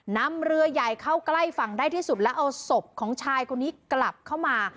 นำเรือใหญ่เข้าใกล้ฝั่งได้ที่สุดแล้วเอาศพของชายคนนี้กลับเข้ามา